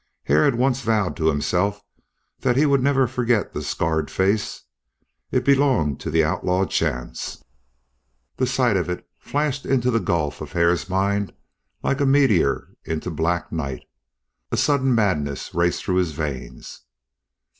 Hare had once vowed to himself that he would never forget the scarred face; it belonged to the outlaw Chance. The sight of it flashed into the gulf of Hare's mind like a meteor into black night. A sudden madness raced through his veins.